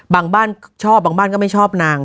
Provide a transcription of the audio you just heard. บ้านชอบบางบ้านก็ไม่ชอบนาง